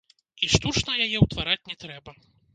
І штучна яе ўтвараць не трэба.